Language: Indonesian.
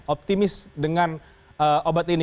optimis dengan obat ini